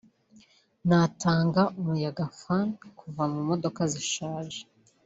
n’agatanga umuyaga (Fan) kava mu modoka zishaje